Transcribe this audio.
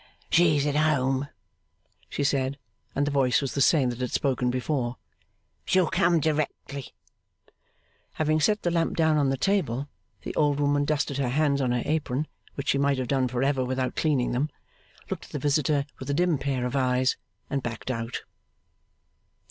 'She's at home,' she said (and the voice was the same that had spoken before); 'she'll come directly.' Having set the lamp down on the table, the old woman dusted her hands on her apron, which she might have done for ever without cleaning them, looked at the visitors with a dim pair of eyes, and backed out.